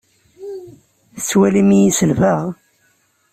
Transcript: Tettwalim-iyi selbeɣ?